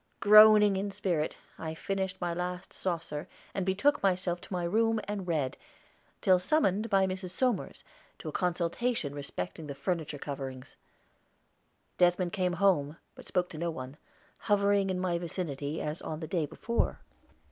Groaning in spirit, I finished my last saucer and betook myself to my room and read, till summoned by Mrs. Somers to a consultation respecting the furniture coverings. Desmond came home, but spoke to no one, hovering in my vicinity as on the day before.